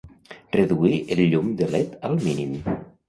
Reduir el llum de led al mínim.